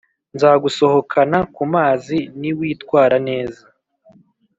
Nzagusohokana kumazi niwitwara neza